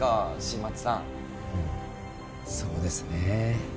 うんそうですね